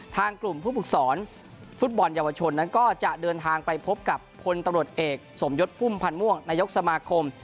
ทางกลุ่มผู้ฝึกสอนฟุตบอลเยาวชนนั้นก็จะเดินทางไปพบกับพลตำรวจเอกสมยศพุ่มพันธ์ม่วงนายกสมาคม